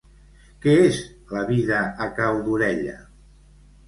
Què és La vida a cau d'orella?